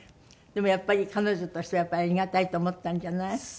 でもやっぱり彼女としてはありがたいと思ったんじゃない？